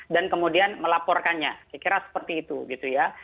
dan kemudian melaporkannya kira kira seperti itu gitu ya